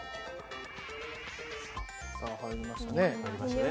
さあ入りましたね。